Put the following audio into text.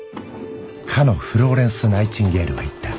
かのフローレンス・ナイチンゲールは言った